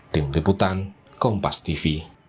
tim liputan kompas tv